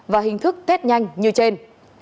và hình thức test nhanh như trên